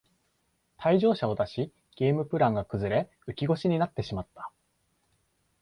退場者を出しゲームプランが崩れ浮き腰になってしまった